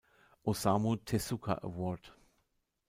Osamu Tezuka Award.